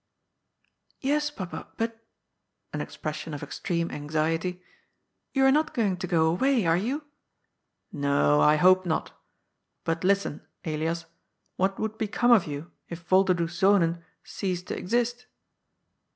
" Yes, Papa, but" — an expression of extreme anxiety —" you are not going to go away, are you ?" ^^No; I hope not. But listen, Elias, what would be come of you, if Yolderdoes Zonen ceased to exist